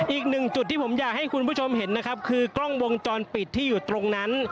อีกหนึ่งจุดที่ผมอยากให้คุณผู้ชมเห็นนะครับคือกล้องวงจรปิดที่อยู่ตรงนั้น